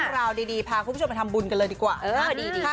ราวดีดีพาคุณผู้ชมมาทำบุญกันเลยดีกว่าเออดีดีค่ะ